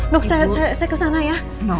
dok saya kesana ya